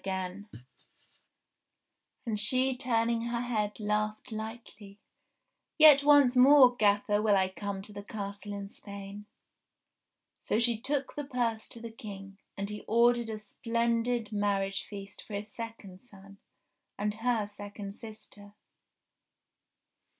342 ENGLISH FAIRY TALES And she turning her head laughed hghtly : "Yet once more, gaffer, will I come to the Castle in Spain," So she took the purse to the King, and he ordered a splen did marriage feast for his second son, and her second sister.